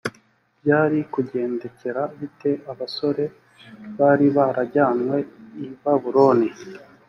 byari kugendekera bite abasore bari barajyanywe i babuloni?